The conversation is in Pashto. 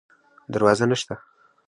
دروازه نشته